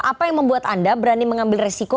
apa yang membuat anda berani mengambil resiko